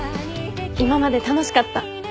今まで楽しかった。